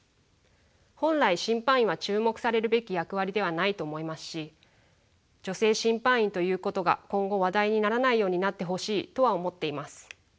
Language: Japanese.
本来審判員は注目されるべき役割ではないと思いますし女性審判員ということが今後話題にならないようになってほしいとは思っています。